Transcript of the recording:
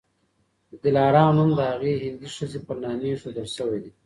د دلارام نوم د هغي هندۍ ښځي پر نامي ایښودل سوی دی.